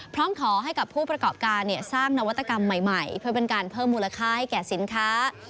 พร้อมขอให้ผู้ประกอบการสร้างนวัตกรรมใหม่เพื่อเพิ่มมูลค่าให้สินค้า